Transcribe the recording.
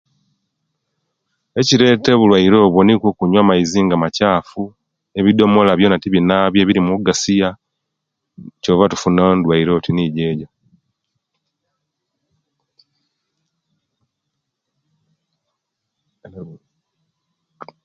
Ekireta obulwaire obwo nikwo okunyuwa amazi nga makyafu nebidomala byona tibinabye birimu egasya kyova tufuna endwaire oti nijejo